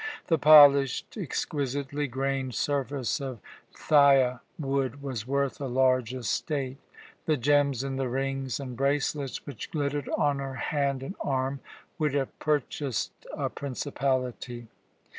The polished, exquisitely grained surface of thya wood was worth a large estate; the gems in the rings and bracelets which glittered on her hand and arm would have purchased a principality.